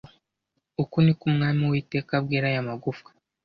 uku ni ko umwami uwiteka abwira aya magufwa